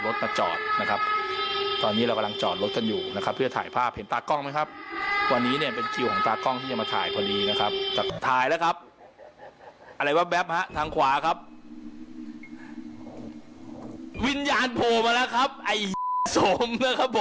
วิญญาณโผล่มาแล้วครับไอ้โสมนะครับผม